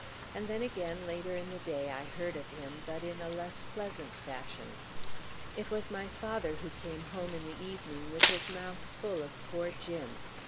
And then again, later in the day, I heard of him, but in a less pleasant fashion. It was my father who came home in the evening with his mouth full of poor Jim.